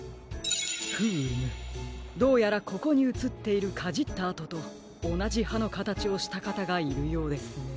フームどうやらここにうつっているかじったあととおなじはのかたちをしたかたがいるようですね。